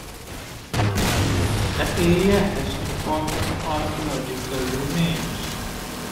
The area has important archaeological remains.